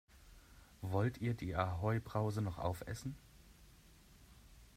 Wollt ihr die Ahoi-Brause noch aufessen?